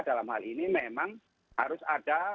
dalam hal ini memang harus ada